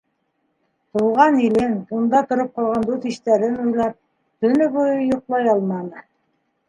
Тыуған илен, унда тороп ҡалған дуҫ-иштәрен уйлап, төнө буйы йоҡлай алмай.